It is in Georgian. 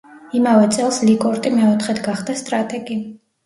იმავე წელს ლიკორტი მეოთხედ გახდა სტრატეგი.